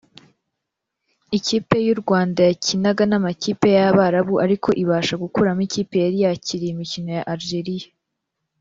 Ikipe y’u Rwanda yakinaga n’amakipe y’Abarabu ariko ibasha gukuramo ikipe yari yakiriye imikino ya Algeria